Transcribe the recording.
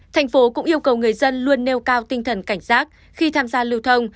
thành phố cũng yêu cầu người dân luôn nêu cao tinh thần cảnh giác khi tham gia lưu thông